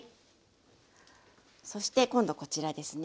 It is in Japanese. そして今度こちらですね。